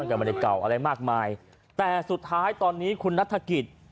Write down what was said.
ก็ไม่ได้เก่าอะไรมากมายแต่สุดท้ายตอนนี้คุณนัฐกิจ